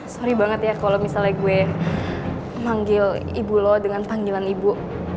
sorry banget ya kalau misalnya gue manggil ibu lo dengan panggilan ibu